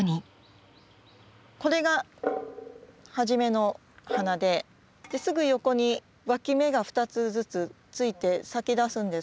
これが初めの花ですぐ横に脇芽が２つずつついて咲きだすんですね。